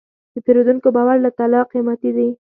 د پیرودونکي باور له طلا قیمتي دی.